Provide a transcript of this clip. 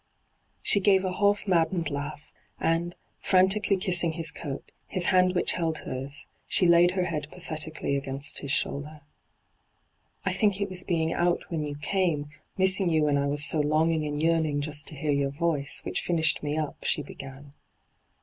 She gave a half maddened laugh, and, firantically kissing his ooat> his hand which hyGoo>^lc ENTRAPPED 133 held hers, she laid her head pathetically against his shoulder. ' I think it was heing out when you came, missing you when I was so longing and yearn ing just to hear your voice, which finished me up,' she began.